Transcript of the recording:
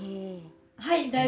はい。